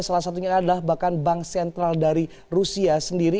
salah satunya adalah bahkan bank sentral dari rusia sendiri